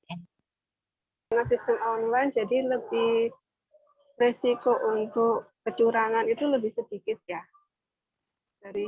karena sistem online jadi lebih resiko untuk kecurangan itu lebih sedikit ya